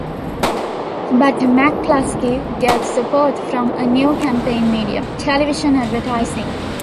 But McCluskey gets support from a new campaign medium: television advertising.